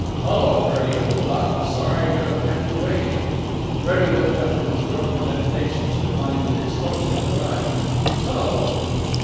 "Hullo, Freddie, old top! Sorry to have kept you waiting." Freddie looked up from his broken meditations, to find that his host had arrived. "Hullo!"